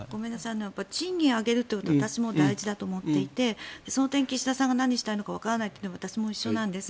賃金を上げるということは私も大事だと思っていて岸田さんが何をしたいのかわからないというのも私も一緒です。